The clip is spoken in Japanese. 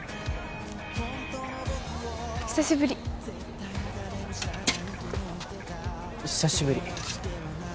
久しぶり久しぶり